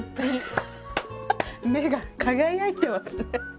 目が輝いてますね。